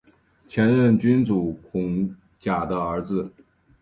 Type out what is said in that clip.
前任君主孔甲的儿子。